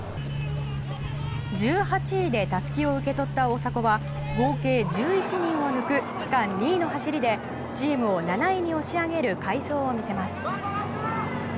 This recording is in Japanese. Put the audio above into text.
１８位でたすきを受け取った大迫は合計１１人を抜く区間２位の走りでチームを７位に押し上げる快走を見せます。